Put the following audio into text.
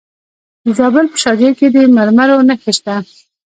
د زابل په شاجوی کې د مرمرو نښې شته.